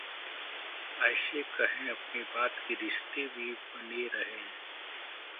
ऐसे कहें अपनी बात कि रिश्ते भी बने रहें